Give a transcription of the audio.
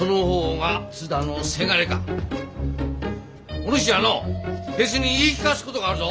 お主にはの別に言い聞かすことがあるぞ！